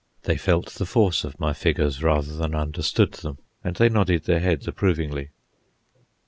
They felt the force of my figures, rather than understood them, and they nodded their heads approvingly.